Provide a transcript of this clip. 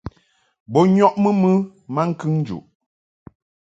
Bo nyɔʼmɨ mɨ maŋkəŋ njuʼ.